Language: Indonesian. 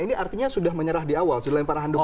ini artinya sudah menyerah di awal sudah lempar handuknya